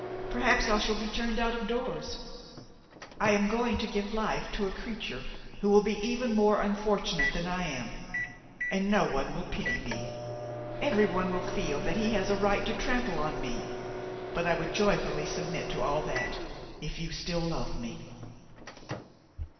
perhaps I shall be turned out of doors. I am going to give life to a creature who will be even more unfortunate than I am, and no one will pity me. Everyone will feel that he has a right to trample on me. But I would joyfully submit to all that, if you still loved me."